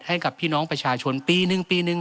ให้กับพี่น้องประชาชนปีหนึ่งปีหนึ่ง